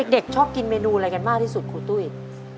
เด็กชอบกินเมนูอะไรกันมากที่สุดครูตุ้ย